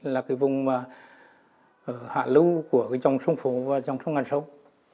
là cái vùng hạ lưu của trong sông phố và trong sông hàn sông